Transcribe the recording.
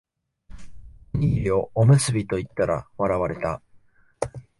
おにぎりをおむすびと言ったら笑われた